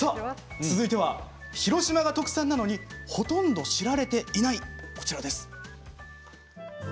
続いては広島が特産なのにほとんど知られていないこちらです。